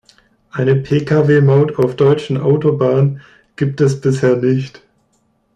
Eine Pkw-Maut auf deutschen Autobahnen gibt es bisher nicht.